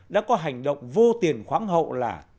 đã có hành động vô tiền khoáng hậu là